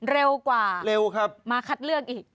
เร็วกว่ามาคัดเรื่องอีก